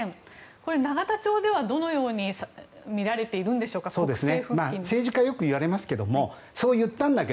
これ、永田町ではどのように見られているんでしょうか。